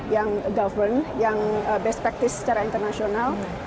yang govern yang best practice secara internasional